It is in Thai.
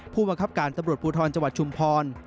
ผู้บังคับการตำรวจภูทรจังหวัดชุมพร